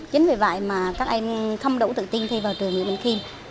chính vì vậy mà các em không đủ tự tin thi vào trường nguyễn bình khiêm